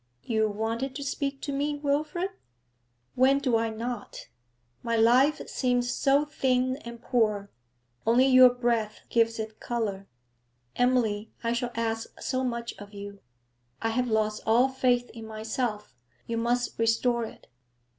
'You wanted to speak to me, Wilfrid?' 'When do I not? My life seems so thin and poor; only your breath gives it colour. Emily, I shall ask so much of you. I have lost all faith in myself; you must restore it.'